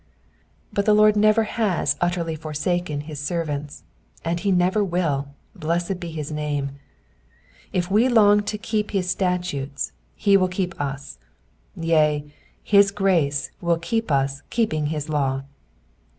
But the Lord never has utterly forsaken his servants, and he never will, blessed be his name. If we long to keep his statutes he will keep us ; yea, his grace will keep us keeping his law.